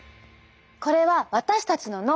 これは私たちの脳。